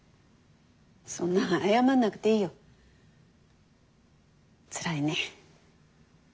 そんな謝らなくていいよ。つらいね。